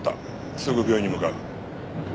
すぐ病院に向かう。